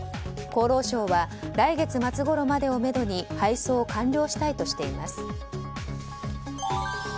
厚労省は来月末ごろまでをめどに配送を完了したいとしています。